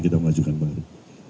kita mengajukan baru